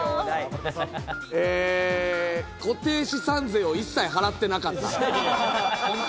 固定資産税を一切払ってなかった。